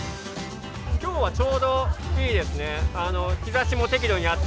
きょうはちょうどいいですね。